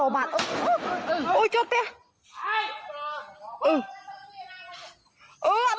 แปงเย็น